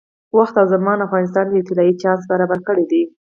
وخت او زمان افغانستان ته یو طلایي چانس برابر کړی دی.